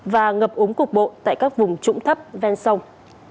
và ngập úng cục bộ tại các vùng trũng thấp ven sông